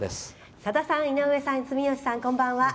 「さださん井上さん、住吉さん、こんばんは。